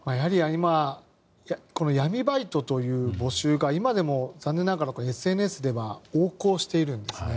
今、闇バイトという募集が今でも残念ながらＳＮＳでは横行しているんですね。